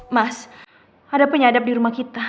mas ada penyadab di rumah kita